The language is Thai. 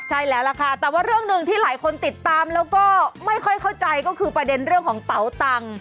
ใช่แล้วล่ะค่ะแต่ว่าเรื่องหนึ่งที่หลายคนติดตามแล้วก็ไม่ค่อยเข้าใจก็คือประเด็นเรื่องของเป๋าตังค์